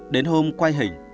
đến hôm quay hình